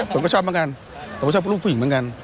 ผมก็ชอบเหมือนกันผมก็ชอบลูกผู้หญิงเหมือนกัน